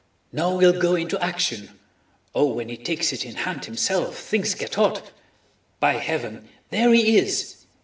"Now we'll go into action. Oh, when he takes it in hand himself, things get hot... by heaven!... There he is!...